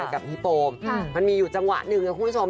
กับฮีโปมมันมีอยู่จังหวะหนึ่งนะคุณผู้ชม